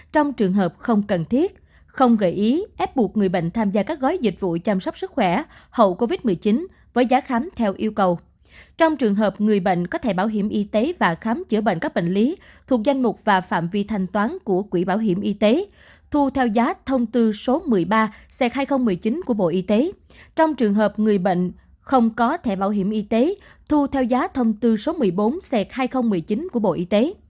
trong trường hợp người bệnh không có thẻ bảo hiểm y tế thu theo giá thông tư số một mươi bốn hai nghìn một mươi chín của bộ y tế